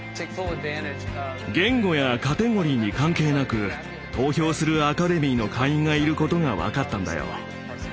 言語やカテゴリーに関係なく投票するアカデミーの会員がいることが分かったんだよ。